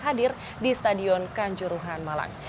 hadir di stadion kanjuruhan malang